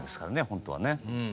本当はね。